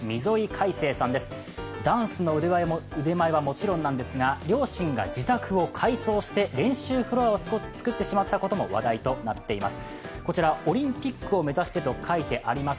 ダンスの腕前はもちろんなんですが、両親が自宅を改装して練習フロアを作ってしまったことも話題とになっています。